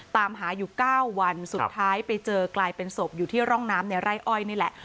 ตามหาอยู่๙วันสุดท้ายไปเจอกลายเป็นศพอยู่ที่ร่องน้ำในไร่อ้อยนี่แหละ